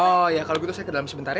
oh ya kalau gitu saya ke dalam sebentar ya